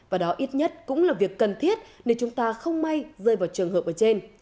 và đó ít nhất cũng là việc cần thiết nếu chúng ta không may rơi vào trường hợp ở trên